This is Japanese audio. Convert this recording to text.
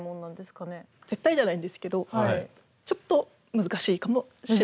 絶対じゃないんですけどちょっと難しいかもしれない。